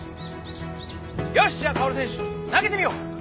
よしじゃ薫選手投げてみよう。